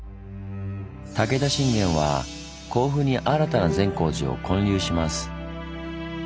武田信玄は甲府に新たな善光寺を建立します。